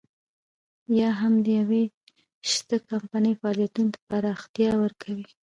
یا هم د يوې شته کمپنۍ فعالیتونو ته پراختیا ورکوي.